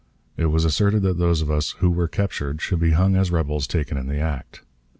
It was asserted that those of us "who were captured should be hung as rebels taken in the act."